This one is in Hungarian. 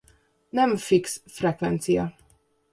Nem fix frekvencia.